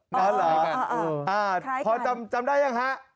อ๋อเหรอพอจำได้ยังฮะ